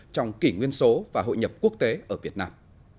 trong kỷ nguyên số và hội nhập quốc tế ở việt nam